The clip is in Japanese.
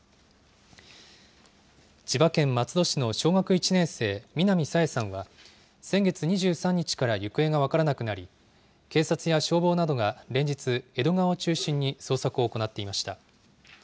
千葉県松戸市の小学１年生、南朝芽さんは、先月２３日から行方が分からなくなり、警察や消防などが連日、江戸川を中心に捜索を行っていました。